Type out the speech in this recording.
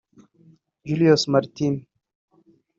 Julius Maritime